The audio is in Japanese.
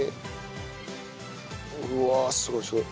うわあすごいすごい。